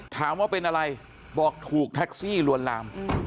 ถามว่าเป็นอะไรบอกถูกแท็กซี่ลวนลาม